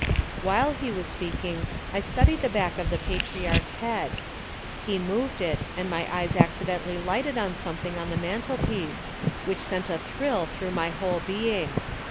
While he was speaking, I studied the back of the patriarch's head. He moved it, and my eyes accidentally lighted on something on the mantelpiece which sent a thrill through my whole being.